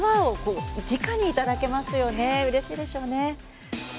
うれしいでしょうね。